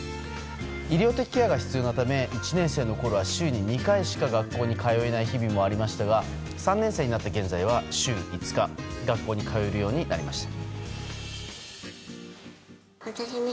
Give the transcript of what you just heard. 医療的ケアが必要なため１年生のころは週に２回しか学校に通えない日々もありましたが３年生になった現在は週５日学校に通えるようになりました。